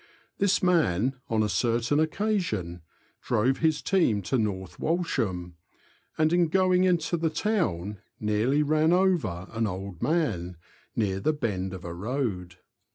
This man on a certain occa sion drove his team to North Walsham, and in going into the town nearly ran over an old man, near the bend of a road.